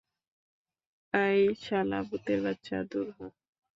অ্যাই শালা ভূতের বাচ্চা, দূর হ।